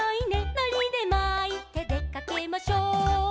「のりでまいてでかけましょう」